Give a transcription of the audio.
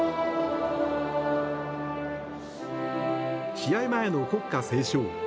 試合前の国歌斉唱。